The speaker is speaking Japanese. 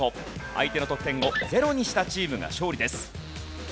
相手の得点を０にしたチームが勝利です。